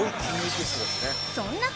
そんな